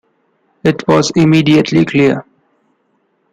It was immediately clear.